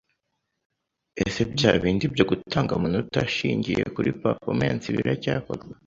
Ese bya bindi byo gutanga amanota ashingiye kuri performance biracyakorwa?